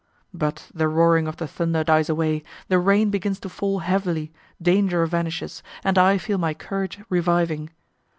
But the roaring of the thunder dies away, the rain begins to fall heavily, danger vanishes, and I feel my courage reviving.